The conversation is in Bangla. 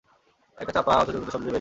একটা চাপা অথচ দ্রুত শব্দ যে বেড়েই চলেছে।